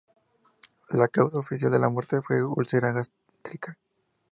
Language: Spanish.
La causa oficial de la muerte fue úlcera gástrica.